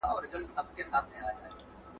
هغې پوهه شوه چې دا د برن اوټ حالت و.